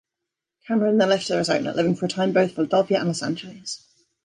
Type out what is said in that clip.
Cameron then left Arizona, living for a time in both Philadelphia and Los Angeles.